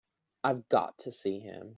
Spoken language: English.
I've got to see him.